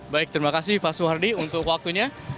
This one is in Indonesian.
baik terima kasih pak soehardi untuk waktunya